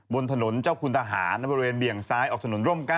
บนถนนเจ้าคุณทหารบริเวณเบี่ยงซ้ายออกถนนร่ม๙